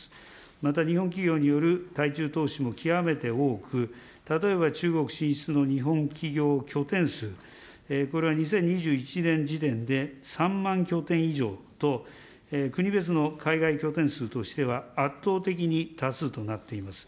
また日本企業による対中投資も極めて多く、例えば中国進出の日本企業拠点数、これは２０２１年時点で３万拠点以上と、国別の海外拠点数としては圧倒的に多数となっています。